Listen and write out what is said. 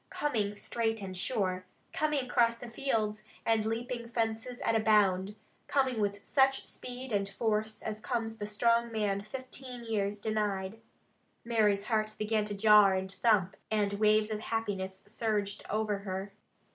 Coming straight and sure. Coming across the fields, and leaping fences at a bound. Coming with such speed and force as comes the strong man, fifteen years denied. Mary's heart began to jar, and thump, and waves of happiness surged over her.